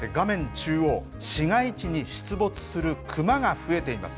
中央、市街地に出没するクマが増えています。